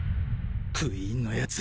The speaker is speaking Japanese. クイーンのやつ